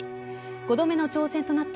５度目の挑戦となった